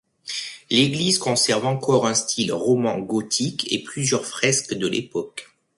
L'église conserve encore un style roman-gothique et plusieurs fresques de l'époque.